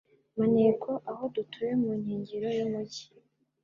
Maneko aho dutuye mu nkengero y'umujyi